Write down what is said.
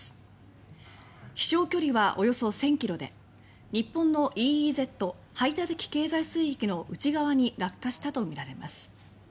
飛翔距離はおよそ１０００ｋｍで日本のＥＥＺ・排他的経済水域の内側に落下したとみられます。